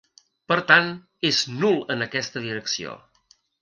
Per tant, és nul en aquesta direcció.